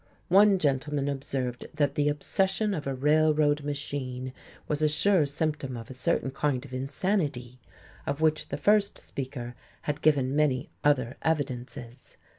One gentleman observed that the obsession of a "railroad machine" was a sure symptom of a certain kind of insanity, of which the first speaker had given many other evidences.